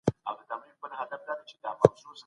په لویه جرګه کي څوک ګډون کولی سي؟